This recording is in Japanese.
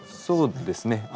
そうですね。